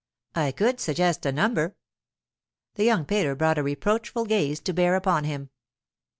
'I could suggest a number.' The young painter brought a reproachful gaze to bear upon him.